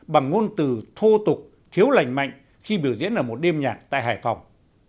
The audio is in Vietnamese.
bằng ngôn từ thô tục thiếu lành mạnh khi biểu diễn ở một đêm nhạc tại hải phòng